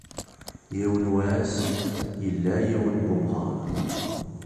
Yiwen wass, yella yiwen n wemɣar.